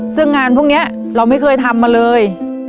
ซึ่งงานพวกนี้เราไม่เคยทำมาเลย